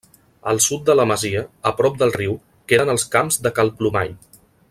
Al sud de la masia, a prop del riu, queden els Camps de Cal Plomall.